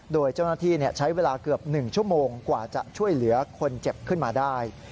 โดยเจ้าหน้าที่ใช้เวลาเกือบ๑ชั่วโมงกว่าจะช่วยเหลือคนเจ็บขึ้นมาได้